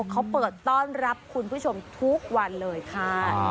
เขาเปิดต้อนรับคุณผู้ชมทุกวันเลยค่ะ